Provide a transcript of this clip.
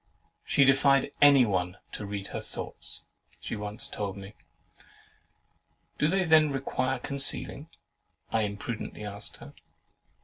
"She defied anyone to read her thoughts?" she once told me. "Do they then require concealing?" I imprudently asked her.